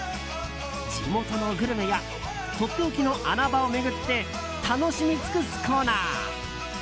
地元のグルメやとっておきの穴場を巡って楽しみ尽くすコーナー。